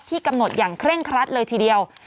กำหนดอย่างเคร่งครัดเลยทีเดียว